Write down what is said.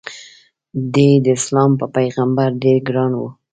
د ی داسلام په پیغمبر ډېر ګران و.